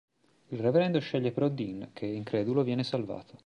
Il reverendo sceglie però Dean che, incredulo, viene salvato.